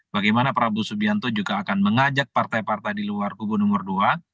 bagaimana prabowo subianto juga akan mengajak partai partai di luar kubu nomor dua